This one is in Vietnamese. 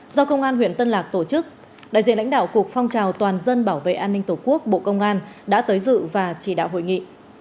do công an huyện tân lạc tổ chức đại diện lãnh đạo cục phong trào toàn dân bảo vệ an ninh tổ quốc bộ công an đã tới dự và chỉ đạo hội nghị